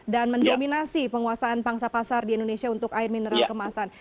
dan mendominasi penguasaan pangsa pasar di indonesia untuk air mineral kemasan